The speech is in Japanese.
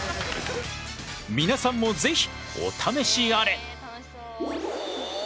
皆さんも是非お試しあれ。